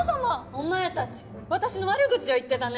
お前たち私の悪口を言ってたね。